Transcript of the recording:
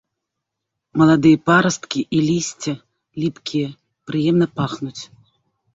Маладыя парасткі і лісце ліпкія, прыемна пахнуць.